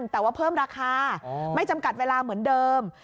แต่ว่าเพิ่มราคาไม่จำกัดเวลาเหมือนเดิม